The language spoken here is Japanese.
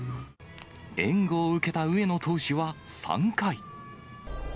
援護を受けた上野投手は３回。